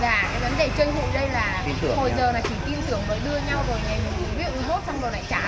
dạ cái vấn đề chơi hụi đây là hồi giờ chỉ tin tưởng đưa nhau rồi